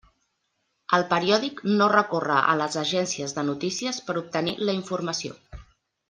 El periòdic no recorre a les agències de notícies per obtenir la informació.